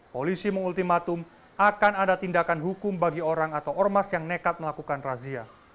polisi mengultimatum akan ada tindakan hukum bagi orang atau ormas yang nekat melakukan razia